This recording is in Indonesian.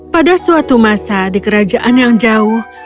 pada suatu masa di kerajaan yang jauh